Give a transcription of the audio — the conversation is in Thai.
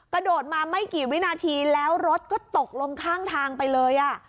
กระโดดมาไม่กี่วินาทีแล้วรถก็ตกลงข้างทางไปเลย